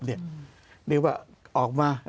หรือว่าออกมา